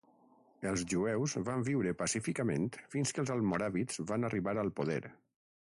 Els jueus van viure pacíficament fins que els almoràvits van arribar al poder.